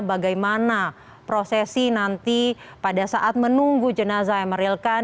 bagaimana prosesi nanti pada saat menunggu jenazah yang merilkan